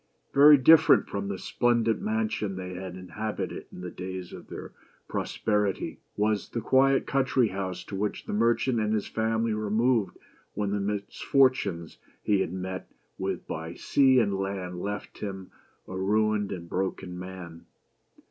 Very different from the splendid mansion they had inhab ited in the days of their prosperity, was the quiet country house to which the merchant and his family removed when the misfortunes he had met with by sea and land left him a BEAUTY AND THE BEAST. ruined and broken man.